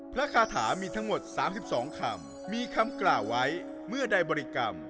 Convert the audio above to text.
คาถามีทั้งหมด๓๒คำมีคำกล่าวไว้เมื่อใดบริกรรม